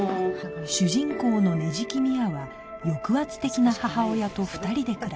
主人公の捻木深愛は抑圧的な母親と２人で暮らしている